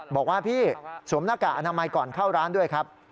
บอกว่าพี่สวมหน้ากากอนามัยก่อนเข้าร้านด้วยครับ